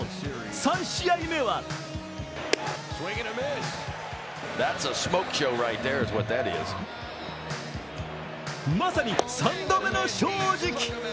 ３試合目はまさに３度目の正直。